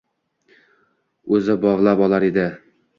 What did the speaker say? oʼzi bovlab olar deb.